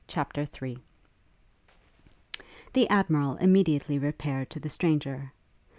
CHAPTER III The Admiral immediately repaired to the stranger.